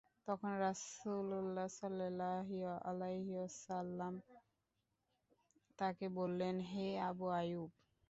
তখন রাসূলুল্লাহ সাল্লাল্লাহু আলাইহি ওয়াসাল্লাম তাকে বললেন, হে আবু আইয়ুব!